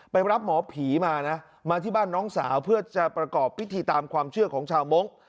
รับหมอผีมานะมาที่บ้านน้องสาวเพื่อจะประกอบพิธีตามความเชื่อของชาวมงค์